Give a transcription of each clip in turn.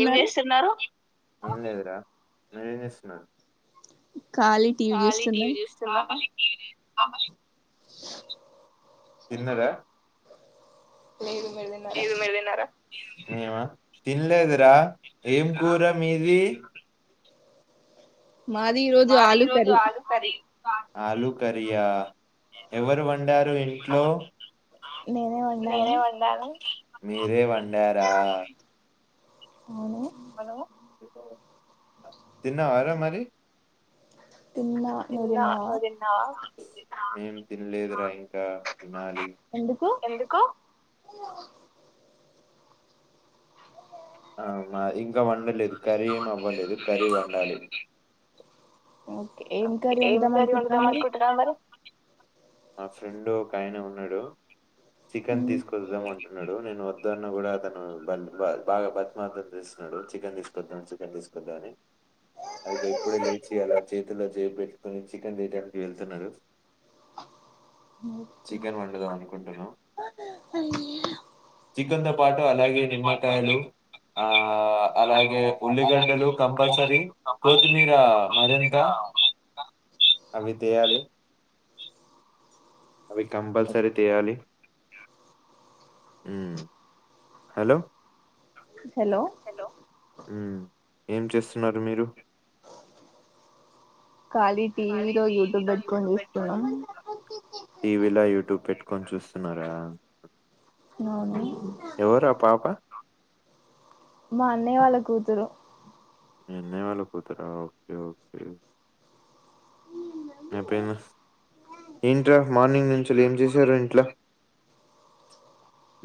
ఏం చేస్తున్నరు ఎమ్ లేదురా మీరేం చేస్తున్నరు ఖాళీ టీవీ చూస్తున్నాం ఆమ తిన్నరా లేదు మీర్ తిన్నరా ఏమె తిన్ లేదురా ఎమ్ కూర మీది మాది ఈ రోజు ఆలు కర్రి ఆలు కరియా ఎవరు వండారు ఇంట్లో నేనే వండాను నేనే వండాను మీరే వండారా అవును తిన్నావారా మరి తిన్నా నువ్వు తిన్న నువ్వు తిన్నావా ఏం తినలేదురా ఇంకా తినాలి ఎందుకు ఎందుకు అవునా ఇంకా వండలేదు కర్రీ ఎమ్ అవ్వలేదు కర్రీ వండాలి. ఓకే ఏం కర్రీ వండుదాం అనుకుంటున్నారు మరి మా ఫ్రెండ్ ఒక ఆయన ఉన్నడు చికెన్ మ్మ్. తీసుకొద్దాం అంటడు అన్నడు నేను వద్దన్న కూడా అతను బా బాగా బతిమల్తాం చేస్తున్నాడు చికెన్ తీసుకొద్దాం చికెన్ తీసుకొద్దామని అదిగో ఇప్పుడే లేచి అలా చేతిలో చేయ్ పెట్టుకొని చికెన్ తేటానికి వెళ్తున్నరు. చికెన్ వండుదాం అనుకుంటున్నాం. చికెన్ తో పాటు అలాగే నిమ్మకాయలు ఆ అలాగే ఉల్లిగడ్డలు కంపల్సరీ కొత్తిమీర మర అవితేవాలి అవి కంపల్సరీ తీయాలి హలో హలో ఏం చేస్తున్నారు మీరు ఖాళీ టీవీ లో యూట్యూబ్ పెట్టుకని ఇస్తున్నాం కొంచ చూస్తున్నారా నూనీ ఎవరు ఆ పాప [unintelligible] మా అన్నయ్య వాళ్ళ కూతురు ఎన్నే వాళ్ళ కూతురా ఓకే ఓకే అయిపోయింద ఏంట మార్నింగ్ నుంచి ఏం చేశారు ఇంట్లో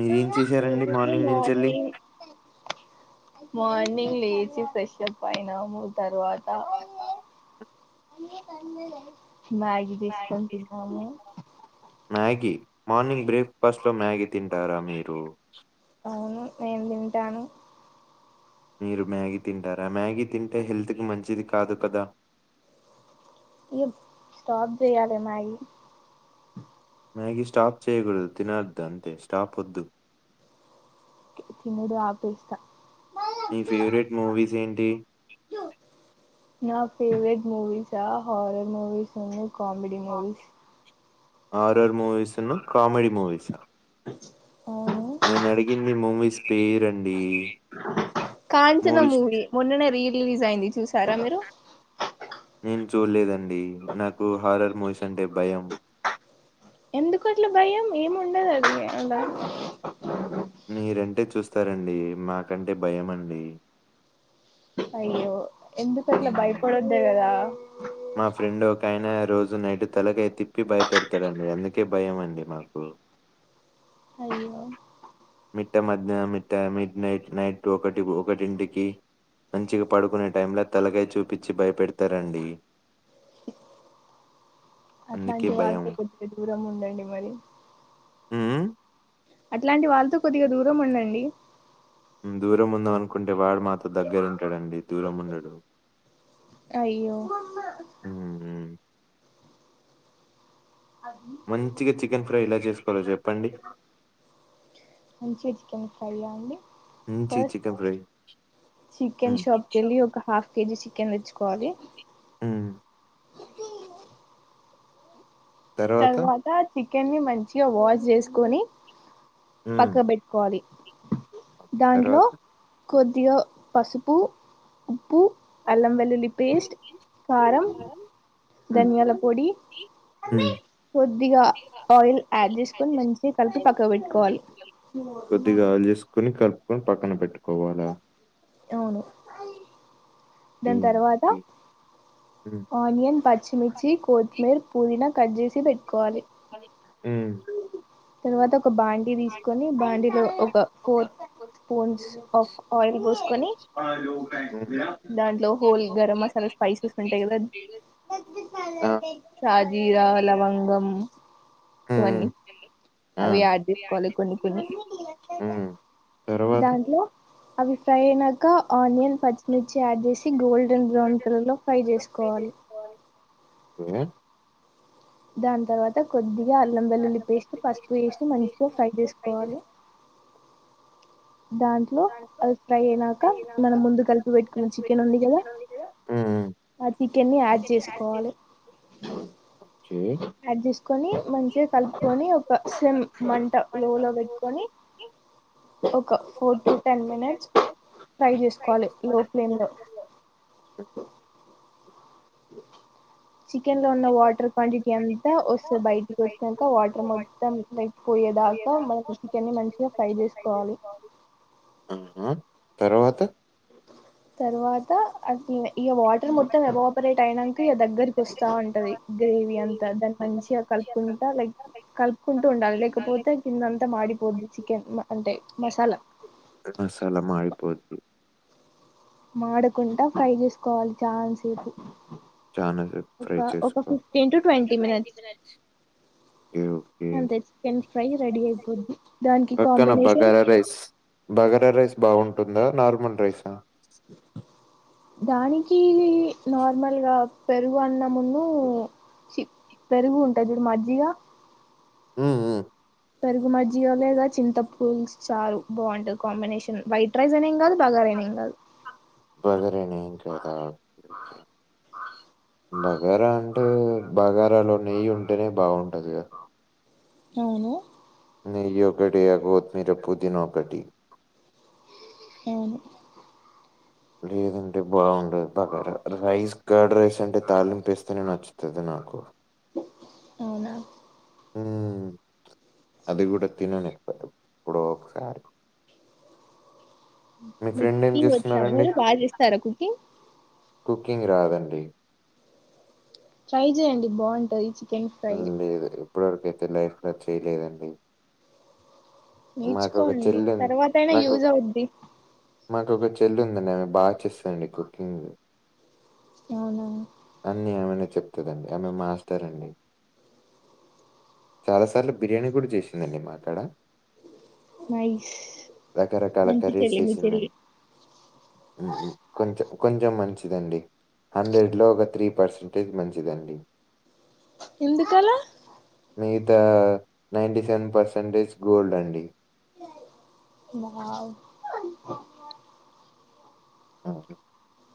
మీరు ఏం చేస సరండి మార్నింగ్ నుంచి వెళ్ళి మార్నింగ్ లేచ ఫ్రెష్ప్ అయినాము తరువాత అ కన్నద [unintelligible] మ్యాగి చేసుకుని తిన్నాము మ్యాగీ మార్నింగ్ బ్రేక్ఫాస్ట్ లో మ్యాగీ తింటారా మీరు అవును నేను తింటాను మీరు మ్యాగీ తింటారా మ్యాగీ తింటే హెల్త్ కి మంచిది కాదు కదా ఈ స్టాప్ చేయ్యాలి మ్యాగీ మ్యాగీ స్టాప్ చేయకూడదు తినద్దు అంతే స్టాప్ వద్దు తిన్నది ఆపేస్తా మీ ఫేవరెట్ మూవీస్ ఏంటి నా ఫేవరెట్ మూ వీస్ ఆ హారర్ ముూవీస్ అండీ కామెడీ మూవీస్ ఆరు ఆర్ మూవీసును కామెడి మూవీస్ ఆ నేను అడిగింది మూవీస్ పేరండి కాంచన మూవీస్ మూవి మొన్ననే రీ రిలీజ్ అయింది చూసారా మీరు చూలేదండి నాకు హారర్ మూవీస్ అంటే భయం ఎందుకు అట్లా భయం ఏము ఉండదు అది అల మీరంటే చూస్తారండి మాకంటే భయం అండి అయ్యో ఎందుకు అట్లా హ్మ్. భయపడొద్ద కదా మా ఫ్రెండ్ ఒక ఆయన రోజు నైట్ తలకయ తిప్పి భయపెడతాడండి అందుకే భయం అండి మాకు అయ్యో మిట్ట మధ్య మిట్ట మిడ్ నైట్ నైట్ ఒకటి ఒకటింటికి మంచిగా పడుకునే టైమ్ల తలగాయ చూపించి భయపెడతారండి అందుకే అట్లాంటి భయం వాళ్ళతో కొద్దిగా దూరం ఉండండి మరి. ఊమ్ అట్లాంటి వాళ్ళతో కొద్దిగా దూరం ఉండండి దూరం ఉందాం అనుకుంటే వాడు మాతో దగ్గర ఉంటాడండి దూరం ఉండడు. అయ్యో ఉమ్, మంచిగా చికెన్ ఫ్రై ఇలా చేస్. వాలో చెప్పండి మంచిగా చికెన్ ఫ్రైయా అండి మంచిగా ఫస్ చికెన్ ఫ్రై ఉమ్, చికెన్షాప్ కెలి ఒక హాఫ్ కేజీ చికెన్ తెచ్చుకోవాలి ఊమ్ తర్వాత తి కని మంచిగా వాష్ జేసుకొని పక్కబెట్టుకోవాలి కే తర్వాత కొద్దిగా పసుపు ఉప్పు అల్లం వెల్లుల్లి పేస్ట్ కారం ఉమ్, ధనియాల పొడి. ఉమ్, కొద్దిగా ఆయిల్ యాడ్ జేసుకొని మంచిగా కలిపి పక్క పెట్టుకోవాలి. కొద్దిగా ఆయిల్ చేసుకుని కలుపుకొని పక్కన పెట్టుకోవాలా అవును దాని హ్మ్. తర్వాత హ్మ్. హ్మ్. ఆనియన్ పచ్చి జీ కొత్మిర్ పూదిన కట్ చేసి పెట్టుకోవాలి హ్మ్ తరువాత ఒక బాండీ తీసుకొని బాండీలో ఒక ఫోర్ స్పూన్స్ ఆఫ్ ఆయిల్ పోసుకొని హ్మ్. దాంట్లో హోల్ గరం మసాలా స్పైసెస్ ఉంటాయి కదా ఆ! షాజీరా లవంగం ఇవన్నీ. హ్మ్. ఆ! అవి ఆడ్ చెయ్ హ్మ్ తర్వాత దాంట్లో అవి ఫ్రై అయినాక ఆనియన్ పచ్చిమిర్చి యాడ్ చేసి గోల్డెన్ బ్రౌన్ కలర్లో ఫ్రై చేసుకోవాలి. ఆ దాని తర్వాత కొద్ది అల్లం వెల్లుల్లి పేస్ట్ పసుపు వేసి మంచిగా ఫ్రై చేసుకోవాలి. దాంట్లో అది ఫ్రై అయినాక మనం ముందు కలిపి పెట్టుకున్న చికెన్ ఉంది కదా హ్మ్. ఆ చికెన్ని యాడ్ చేసుకోవాలి జే యాడ్ చేస్ కొని మంచిగా కలుపుకొని ఒక సిమ్ మంట లో లో పెట్టుకొని ఒక four to ten minutes fry చేసుకోవాలి లో ఫ్లేమ్లో చికెన్ లో ఉన్న వాటర్ క్వాంటిటీ అంతా వస్తది. బయటికి వచ్చినంక వాటర్ మొత్తం లైక్ పోయేదాకా మనం చికెన్ ని మంచిగా ఫ్రై చేసుకోవాలి. తర్వాత తరువాత అది ఇగ వాటర్ మొత్తం ఎబో పరేట్ అయినాంక ఇగ దగ్గరికి వస్తా ఉంటుంది. గ్రేవీ అంతా దాన్ని మంచిగా కలుపుకుంటా లైక్ కలుపుకుంటూ ఉండాలి లేకపోతే కిందంతా మాడిపోద్ది చికెన్ అంటే మసాలా. పోద్ది మాడకుంటా ఫ్రై చేసుకోవాలి చాన్ సేపు చాలా సేపు ఫై చేసుకోవాలి ఫిఫ్టీన్ టు ట్వంటీ మినిట్స్ అంతే చికెన్ ఫ్రై రెడీ అయిపోద్ది దానికి పక్కన combination bagara rice bagara rice బాగుంటుందా నార్మల్ రైసా కీ నార్మల్గా పెరుగు అన్నమున్నూ పెరుగు ఉంటది చూడు మజ్జిగా, హ్మ్ హ్ము పెరుగు మజ్జిగ లేదా చింత పులుసు చారు బాగుంటుది. కాంబినేషన్ వైట్ రైస్ అయిన ఏం గాదు బగార అయిన ఏం గాదు బగారైన ఏం కదా ఓకే. బగారా అంటే బగారాలో నెయ్యి ఉంటేనే బాగుంటది కదా అవును నెయ్యొక్కటి గోత్మీర, పుదీన ఒకటి అవును లేదంటే బాగుండదు బగార. రైస్, కర్డ్ రైస్ అంటే తళింపేస్తేనే నచ్చుతది నాకు. అవునా మ్మ్ అది కూడ తిననెక్కువ ఎప్పుడో ఒకసారి. మీ మీకు ఫ్రెండ్ ఏం కుకింగ్ వచ్చా చేస్తున్నారండి? మీరు బాగా చేస్తారా కుకింగ్? కుకింగ్ రాదండి. ట్రై చేయండి బాగుంటది. చికెన్ ఫ్రై హ్మ్. లేదు. ఇప్పటివరకైతే లైఫ్ల అట్లే లేదండి. నేర్చుకోండి చెల్లుంది. తర్వాతైనా యూజ్ అవుద్ది. మాకు ఒక చెళ్ళి ఉందండి, ఆమె బాగ చేస్తదండి కుకింగ్. అవునా అన్నీ ఆమెనే చెప్ తదండి. ఐయ్మే మాస్టరండి. చాల సార్లు బిర్యానీ కూడ చేసిందండి మాది క్కడ నైస్ మంచి చెల్లి మీ చెల్లి. మ్మ్ కొం కొంచెం మంచిదండి, హండ్రెడ్ లో ఒక త్రీ పర్సంటేజ్ మంచిదండి. ఎందుకలా! మిగతా నైన్టి సెవెన్ పర్సెంటేజ్ గోల్డ్ అండి వావ్ మ్మ్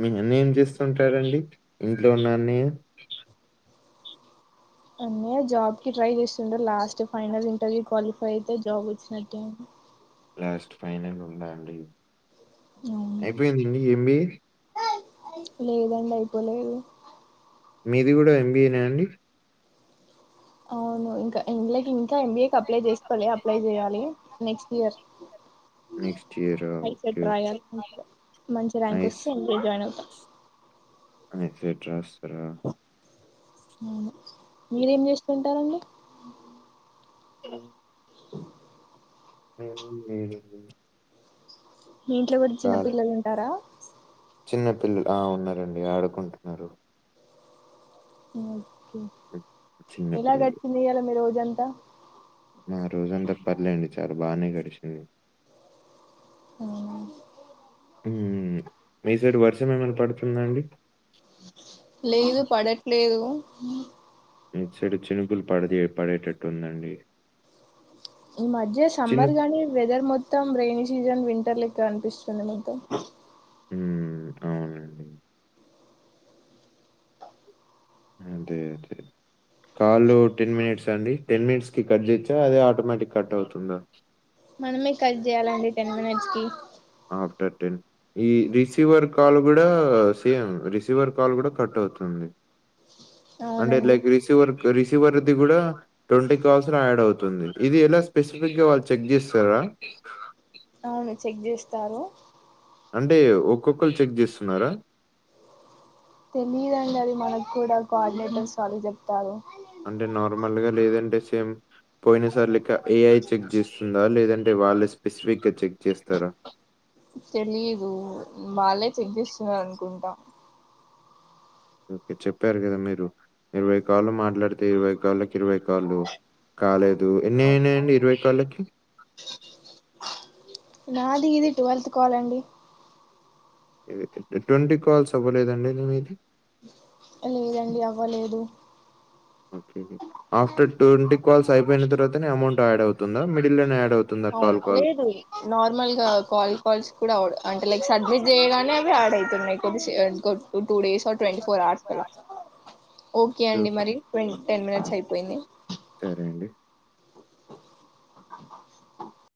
మీ అన్నయ్య ఏం చేస్తుంటాడండి, ఇంట్లో ఉన్న అన్నయ్య? జాబ్ కి ట్రై చేస్తుండ లాస్ట్ ఫైనల్ ఇంటర్వ్యూ క్వాలిఫై అయితే జాబ్ వచ్చినట్టే అండి లాస్ట్ ఫైనల్ ఉందా అండి అవును అయిపోయిందండి ఏంబి ఏ లేదండి అయిపోలేదు మీది కూడా ఎంబిఏనే అండి అవును ఇంకా ఇలకి ఇంకా ఎంబిఏ అప్లై చేస్తకోాలి అప్లై చేయాలి నెక్స్ట్ ఇయర్ నెక్స్ట్ ఇయరా? ఓకే. ంసెట్ రాయాలి మంచి ర్యాంక్ వస్తేం జాయిన్ అవుతా ఎక్సెట్రా రాస్తారు అవు మీరేం చేస్తారు అ ఏ లేదు లే మీ ఇంట్లో కూడా చిన్న పిల్లలు ఉంటారా చిన్న పిల్లలు ఆ ఉన్నారండి ఆడుకుంటున్నారు అ హ్మ్. చిన్న ఎలా పిల్లలు. గడిచంది ఇయ్యాల మీ రోజంతగా కుత్త మా రోజంతా పర్లేండి చాలా బానే గడిచింది ఆ ఉ మీ సైడ్ వర్షం ఏమైనా పడుతుందా అండి లేదు పడట్లేదు అ ఎటు సైడ్ చెను చినుకులు పడిది పడేటట్టు ఉందండి ఈ మధ్య సమ్మర్ గాని వెదర్ మొత్తం రెైన సీజన్ వింటర్ల కన్పిస్ మత్త ఉ అవునండి అదే అదే కాళ టెన్ మినిట్స్ అండి టెన్ మినిట్స్ కి కట్ చేచ్చా అదే ఆటోమేటిక్ కట్ అవుతుందా మనమే కట్ చేయ్యాలండి టెన్ మినిట్స్ కి ఆఫ్టర్ టెన్ ఈ రిసీవర్ కాల్ కూడా సేమ్ రిసీవర్ కాల్ కూడా కట్ అవుతుంది అంటేల అవునండి రిసివర్ రిసీవర్ది కూడా ట్వంటీ కాల్స్ యాడ్ అవుతుంది ఇది ఎలా స్పెసిఫిక్గా వాళ్ళు చెక్ చేస్తారా అవును చెక్ చేస్తారు అంటే ఒక్కొక్కరు చెక్ చేస్తున్నారా తెలియదండి అది మనకు కూడా కోఆర్డినేటర్స్ వాళ్ళు చెప్తారు అంటే నార్మల్గా లేదంటే సేమ్ పోయిన సార్ క ఏఐ చెక్ చేస్తుందా లేదంటే వాళ్ళు స్పెసిఫిక్గా చెక్ చేస్తారా తెలిదు వాళ్లే చెక్ చేస్తున్నారు అనుకుంటా ఓకే చెప్పారు కదా మీరు ఇరవై కాళ్లు మాట్లాడితే ఇరవై కాళ్ళకి ఇరవై కాళ్ళ కాలేదు అ ఎడి ఇరువైకాల నాది ఇది టువల్త్ కాల్ అండి [inaudible] ట్వంటీ కాల్స్ అవ్వలేదండి [inaudible] మీది లేదండి అవ్వలేదు ఓకే ఆఫ్టర్ ట్వంటీ కాల్స్ అయిపోయిన తరువా తినే అమౌంట్ యాడ్ అవుతుందా మిడిల్ లోనే యాడ్ అవుతుందా అవును కాల్ కాల్‌కి? లేదు నార్మల్గా కాల్ కాల్స్ కూడా ఈడు అంటే లైక్ సడ్మిట్ చేయగానే అవి add ఐతున్నయ్ [unintelligible] two days four twenty four hours అలా ఓకే అండి మరి ట్వన్ టెన్ మినిట్స్ అయిపోయింది సరే అండి.